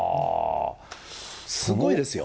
すごいですよ。